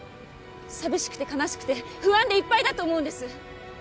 寂しくて悲しくて不安でいっぱいだと思うんです